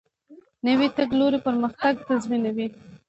نوی تګلوری پرمختګ تضمینوي